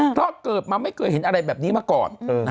เพราะเกิดมาไม่เคยเห็นอะไรแบบนี้มาก่อน